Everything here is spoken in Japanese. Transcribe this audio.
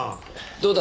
どうだ？